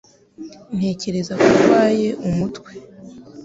Ntekereza ko ndwaye umutwe